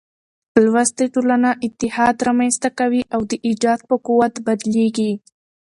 لوستې ټولنه اتحاد رامنځ ته کوي او د ايجاد په قوت بدلېږي.